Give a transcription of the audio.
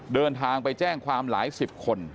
เดินทางไปแจ้งความหลายสิบคน